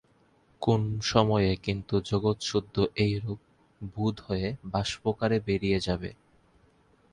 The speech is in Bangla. কোন সময়ে কিন্তু জগৎসুদ্ধ এইরূপ বুদ্বুদ হয়ে বাষ্পাকারে বেরিয়ে যাবে।